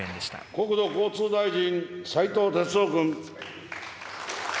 国土交通大臣、斉藤鉄夫君。